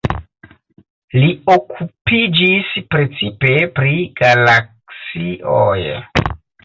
Li okupiĝis precipe pri galaksioj.